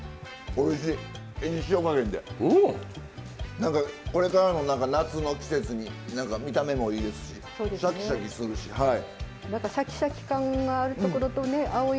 何かこれからの夏の季節に見た目もいいですしシャキシャキするしはい。